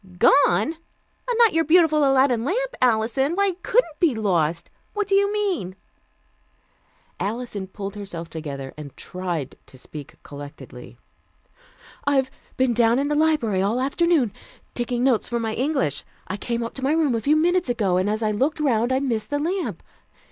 "Gone! Not your beautiful Aladdin lamp, Alison? Why, it couldn't be lost. What do you mean?" Alison pulled herself together and tried to speak collectedly. "I've been down in the library all the afternoon, taking notes for my English; I came up to my room a few minutes ago, and as I looked round I missed the lamp.